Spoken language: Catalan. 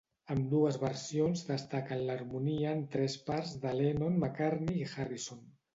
Ambdues versions destaquen l'harmonia en tres parts de Lennon, McCartney i Harrison.